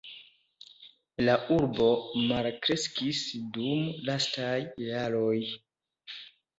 La urbo malkreskis dum lastaj jaroj.